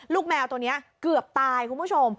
แมวตัวนี้เกือบตายคุณผู้ชม